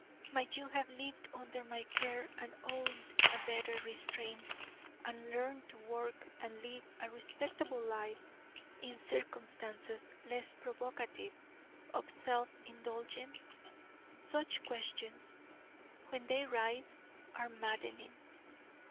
Might you have lived under my care and owned a better restraint and learned to work and live a respectable life in circumstances less provocative of self indulgence? Such questions, when they rise, are maddening.